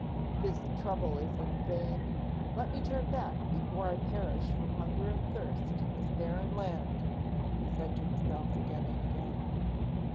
"This trouble is in vain. Let me turn back before I perish from hunger and thirst in this barren land!" he said to himself, again and again.